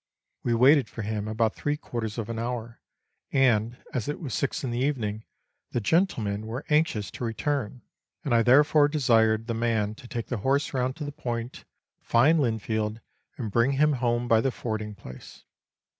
We waited for him about three quarters of an hour, and as it was six in the evening, the gentlemen were anxious to return, and I therefore desired the man to take the horse round to the point, find Linfield, and bring him home by the fording place.